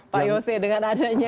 pak yose dengan adanya